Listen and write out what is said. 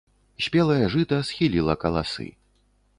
Спелае жыта схіліла каласы.